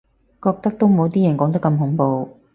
覺得都冇啲人講得咁恐怖